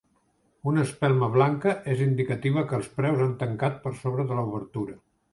Una espelma blanca és indicativa que els preus han tancat per sobre de l'obertura.